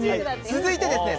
続いてですね